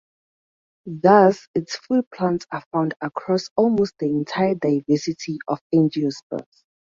Thus, its foodplants are found across almost the entire diversity of angiosperms.